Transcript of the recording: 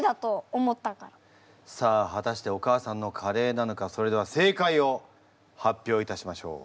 さあ果たしてお母さんのカレーなのかそれでは正解を発表いたしましょう。